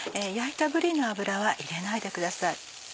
焼いたぶりの脂は入れないでください。